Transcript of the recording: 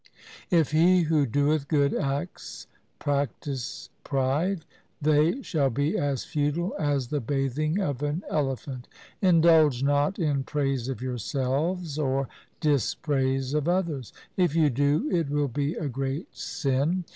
4 If he who doeth good acts practise pride, they shall be as futile as the bathing of an elephant. Indulge not in praise of yourselves or dispraise of others. If you do, it will be a great sin.